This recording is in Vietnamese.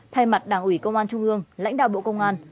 thay mặt đảng ủy công an trung ương lãnh đạo bộ công an